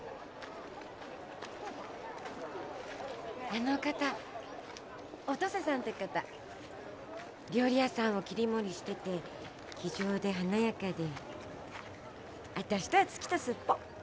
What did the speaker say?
あの方お登世さんって方料理屋さんを切り盛りしてて気丈で華やかで私とは月とすっぽん。